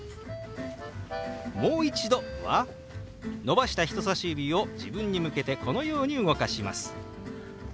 「もう一度」は伸ばした人さし指を自分に向けてこのように動かします。